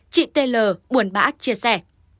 chị t l buồn bã chia sẻ